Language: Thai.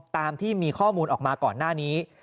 ตามที่มีข้อมูลออกมาก่อนหน้านี้